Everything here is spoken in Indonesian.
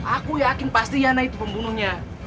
aku yakin pasti yana itu pembunuhnya